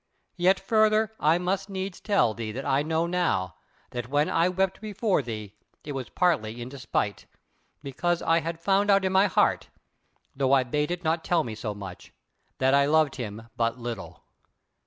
Yet further, I must needs tell thee that I know now, that when I wept before thee it was partly in despite, because I had found out in my heart (though I bade it not tell me so much) that I loved him but little."